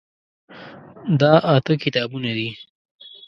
دا اته کتابونه دي.